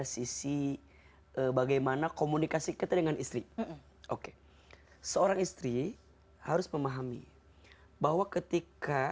sisi bagaimana komunikasi kita dengan istri oke seorang istri harus memahami bahwa ketika